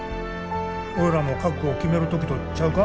俺らも覚悟を決める時とちゃうか。